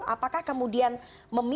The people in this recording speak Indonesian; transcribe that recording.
apakah kemudian memimpin